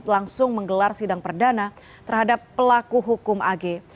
langsung menggelar sidang perdana terhadap pelaku hukum ag